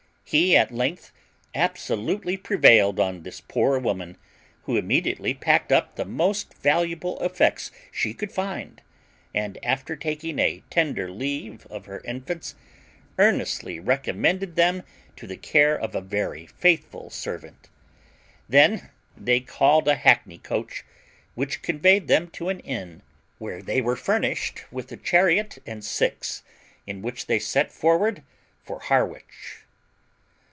He at length absolutely prevailed on this poor woman, who immediately packed up the most valuable effects she could find, and, after taking a tender leave of her infants, earnestly recommended them to the care of a very faithful servant. Then they called a hackney coach, which conveyed them to an inn, where they were furnished with a chariot and six, in which they set forward for Harwich.